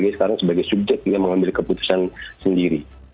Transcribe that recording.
sekarang sebagai subjek yang mengambil keputusan sendiri